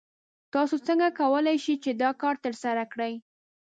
تاسو څنګه کولی شئ چې دا کار ترسره کړئ؟